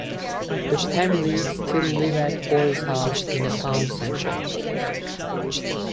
The family still live at Borris House in the town centre.